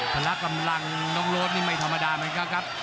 พละกำลังน้องโรดนี่ไม่ธรรมดาเหมือนกันครับ